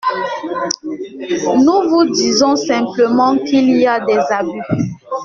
Nous vous disons simplement qu’il y a des abus.